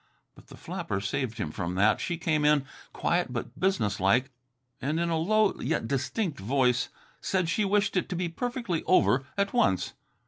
But the flapper saved him from that. She came in, quiet but businesslike, and in a low yet distinct voices said she wished it to be perfectly over at once.